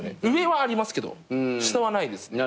上はありますけど下はないです。